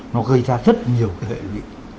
nó gây ra rất nhiều hệ lực